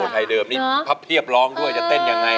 โอ้โฮไทยเดิมนี่พับเทียบร้องด้วยจะเต้นอย่างไร